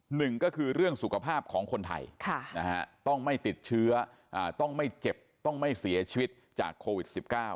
หนึ่งก็คือเรื่องสุขภาพของคนไทยต้องไม่ติดเชื้อต้องไม่เจ็บต้องไม่เสียชีวิตจากโควิด๑๙